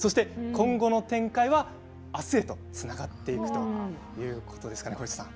今後の展開はあすへとつながっていくということなんです。